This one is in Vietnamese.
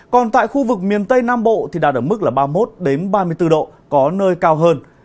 còn tại khu vực miền tây nam bộ thì đạt ở mức ba mươi một ba mươi bốn độ có nơi cao hơn